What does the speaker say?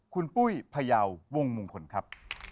คุณปุ้ยพยาววงมงคลครับ